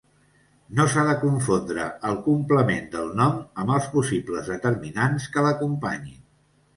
No s'ha de confondre el complement del nom amb els possibles determinants que l'acompanyin.